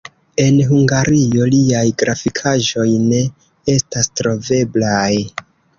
En Hungario liaj grafikaĵoj ne estas troveblaj.